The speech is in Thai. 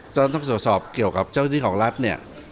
จะต้องตรวจสอบเกี่ยวกับเจ้าหน้าที่ของรัฐเนี่ย